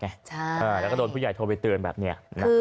แล้วก็โทรใหญ่ไปเตือนแบบนี้